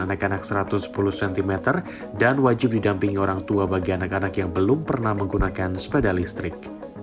anak anak satu ratus sepuluh cm dan wajib didampingi orang tua bagi anak anak yang belum pernah menggunakan sepeda listrik